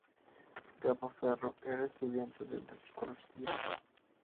Gabo Ferro era estudiante de psicología.